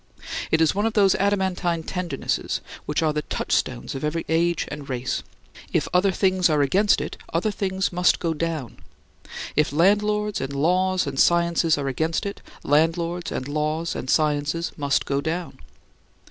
It is one of those adamantine tendernesses which are the touchstones of every age and race. If other things are against it, other things must go down. If landlords and laws and sciences are against it, landlords and laws and sciences must go down.